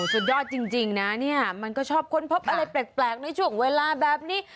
สุดยอดจริงนะเนี่ยมันก็ชอบค้นพบอะไรแปลกในช่วงเวลาแบบนี้